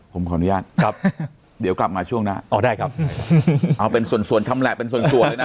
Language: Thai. ผมขออนุญาตครับเดี๋ยวกลับมาช่วงหน้าอ๋อได้ครับเอาเป็นส่วนส่วนชำแหละเป็นส่วนเลยนะ